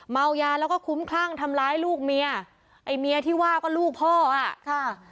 เมายาแล้วก็คุ้มคลั่งทำร้ายลูกเมียไอ้เมียที่ว่าก็ลูกพ่ออ่ะค่ะ